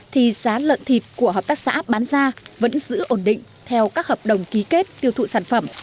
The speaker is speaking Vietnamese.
thì giá lợn thịt của hợp tác xã bán ra vẫn giữ ổn định theo các hợp đồng ký kết tiêu thụ sản phẩm